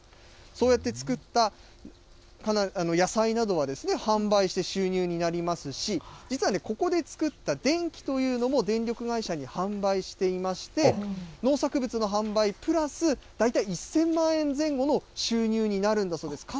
そうやって作った野菜などは販売して収入になりますし、実はね、ここで作った電気というのも、電力会社に販売していまして、農作物の販売プラス大体１０００万円前後の収入になるんだそうです。